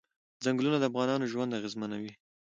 ځنګلونه د افغانانو ژوند اغېزمن کوي.